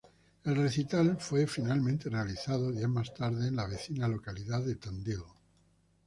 El recital fue finalmente realizado días más tarde en la vecina localidad de Tandil.